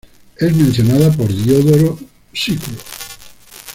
Es mencionada por Diodoro Sículo.